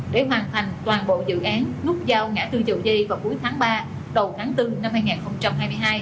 để hoàn thành toàn bộ dự án nút giao ngã tư dầu dây vào cuối tháng ba đầu tháng bốn năm hai nghìn hai mươi hai